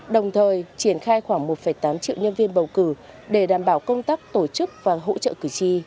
đồng thời triển khai khoảng một tám triệu nhân viên bầu cử để đảm bảo công tác tổ chức và hỗ trợ cử tri